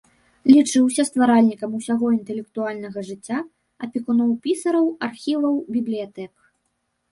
Лічыўся стваральнікам усяго інтэлектуальнага жыцця, апекуном пісараў, архіваў, бібліятэк.